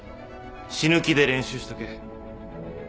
死ぬ気で練習しとけ。